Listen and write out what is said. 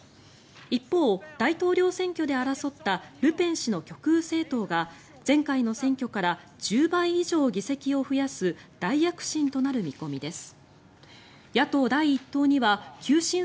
一方、大統領選挙で争ったルペン氏の極右政党が前回の選挙から１０倍以上議席を増やす大躍進となる見込みです。